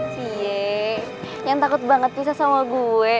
si ye yang takut banget pisah sama gue